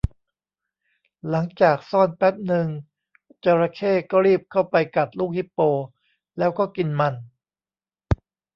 หลังจากซ่อนแป๊บนึง จระเข้ก็รีบเข้าไปกัดลูกฮิปโปแล้วก็กินมัน